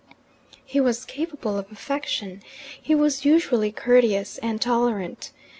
He was capable of affection: he was usually courteous and tolerant.